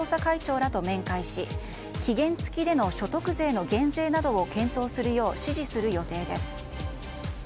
自民・公明両党の税制調査会長らと面会し期限付きでの所得税の減税などを検討するよう指示する予定です。